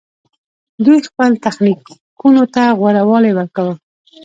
دوی خپل تخنیکونو ته غوره والی ورکاوه